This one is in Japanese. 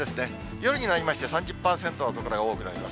夜になりまして３０％の所が多くなります。